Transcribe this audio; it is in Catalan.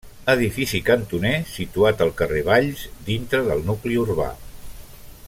Edifici cantoner situat al carrer Valls, dintre del nucli urbà.